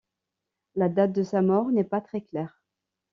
La date de sa mort n'est pas très claire.